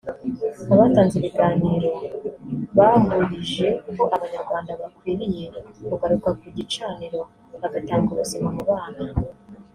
Abatanze ibiganiro bose bahurije ko abanyarwanda bakwiriye kugaruka ku gicaniro bagatanga ubuzima mu bana